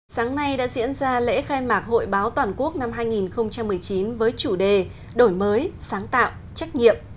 sáng nay đã diễn ra lễ khai mạc hội báo toàn quốc năm hai nghìn một mươi chín với chủ đề đổi mới sáng tạo trách nhiệm